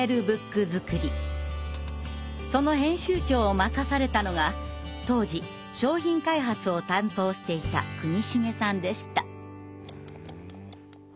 その編集長を任されたのが当時商品開発を担当していた国重さんでした。